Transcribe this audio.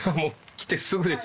来てすぐです。